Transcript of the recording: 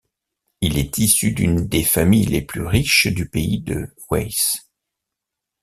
Il est issu d'une des familles les plus riches du Pays de Waes.